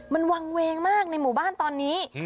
มันวางเวงมากในหมู่บ้านตอนนี้